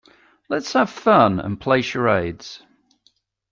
Let's have fun and play charades.